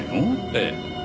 ええ。